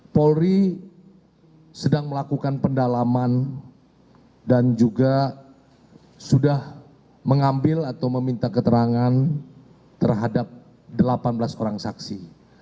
polri sedang melakukan pendalaman dan juga sudah mengambil atau meminta keterangan terhadap delapan belas orang saksi